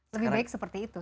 lebih baik seperti itu